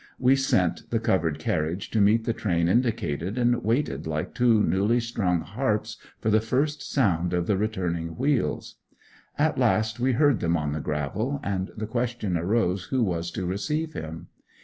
We sent the covered carriage to meet the train indicated, and waited like two newly strung harps for the first sound of the returning wheels. At last we heard them on the gravel; and the question arose who was to receive him.